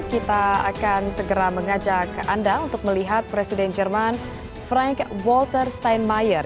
kita akan segera mengajak anda untuk melihat presiden jerman frank walter steinmeyer